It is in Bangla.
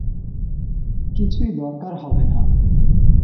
কিছুই দরকার হবে না।